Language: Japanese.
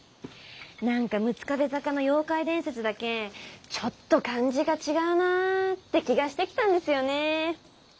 何か六壁坂の妖怪伝説だけちょっと感じが違うなァって気がしてきたんですよねェー。